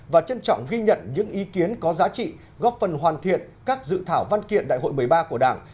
và trân trọng ghi nhận những ý kiến có giá trị góp phần hoàn thiện các dự thảo văn kiện đại hội một mươi ba của đảng